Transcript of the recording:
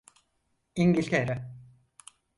İngiltere…